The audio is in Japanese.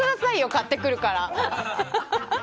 買ってくるから。